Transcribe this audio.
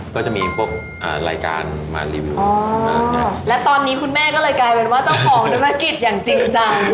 ก็จะมีพวกรายการมารีวิวและตอนนี้คุณแม่ก็เลยกลายเป็นว่าเจ้าของธุรกิจอย่างจริงจัง